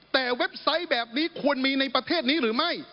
แต่เว็บไซต์แบบนี้ควรมีในประเทศนี้หรือไม่